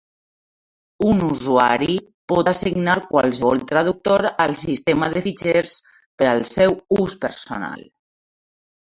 Un usuari pot assignar qualsevol traductor al sistema de fitxers per al seu ús personal.